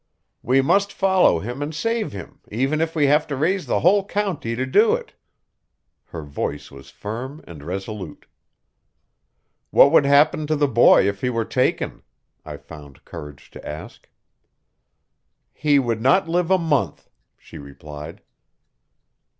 "We must follow him and save him, even if we have to raise the whole county to do it." Her voice was firm and resolute. "What would happen to the boy if he were taken?" I found courage to ask. "He would not live a month," she replied.